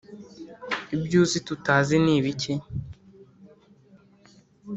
Ibyo uzi tutazi ni ibiki?